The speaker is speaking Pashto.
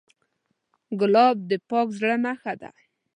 ګلاب د پاک زړه نښه ده.